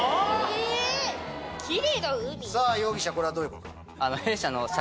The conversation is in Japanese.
容疑者これはどういうことだ？